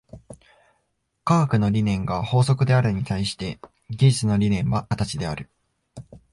科学の理念が法則であるに対して、技術の理念は形である。